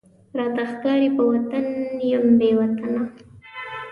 راته ښکاری په وطن یم بې وطنه،